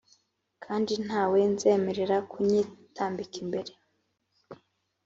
kandi nta we nzemerera kunyitambika imbere